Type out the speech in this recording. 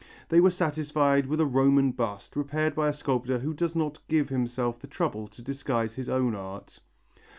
They were satisfied with a Roman bust, repaired by a sculptor who does not give himself the trouble to disguise his own art.